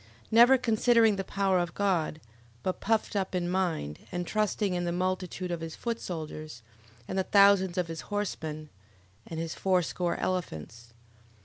Never considering the power of God, but puffed up in mind, and trusting in the multitude of his foot soldiers, and the thousands of his horsemen, and his fourscore elephants.